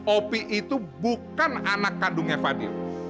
opi itu bukan anak kandungnya fadil